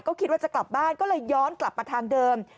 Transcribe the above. ก็คิดว่าจะกลับบ้านก็เลยย้อนกลับมาทางเดิม